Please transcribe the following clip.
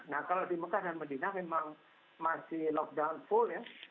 nah kalau di mekah dan medina memang masih lockdown full ya